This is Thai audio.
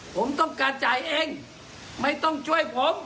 ผมต้องการจ่ายเองไม่ต้องช่วยผม